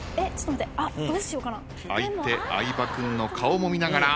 相手相葉君の顔も見ながら。